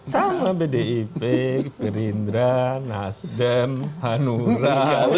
sama bdip perindra nasdem hanura